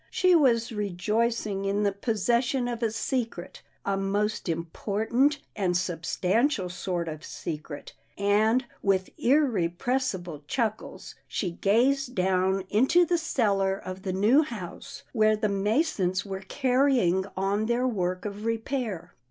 She was rejoicing in the possession of a secret — a most important and substantial sort of secret, and, with irrepressible chuckles, she gazed down into the cel lar of the new house where the masons were carry ing on their work of repair.